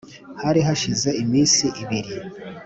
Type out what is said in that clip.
Hari hashize iminsi ibiri